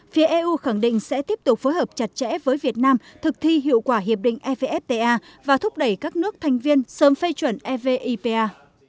phía eu khẳng định sẽ tiếp tục phối hợp chặt chẽ với việt nam thực thi hiệu quả hiệp định evfta và thúc đẩy các nước thành viên sớm phê chuẩn evipa